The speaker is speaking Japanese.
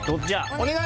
お願い！